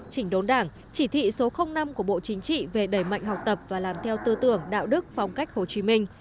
chỉnh đốn đảng chỉ thị số năm của bộ chính trị về đẩy mạnh học tập và làm theo tư tưởng đạo đức phong cách hồ chí minh